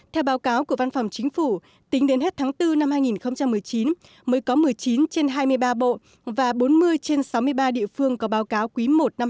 theo báo cáo của văn phòng chính phủ tính đến hết tháng bốn năm hai nghìn một mươi chín mới có một mươi chín trên hai mươi ba bộ và bốn mươi trên sáu mươi ba địa phương có báo cáo quý i năm hai nghìn hai mươi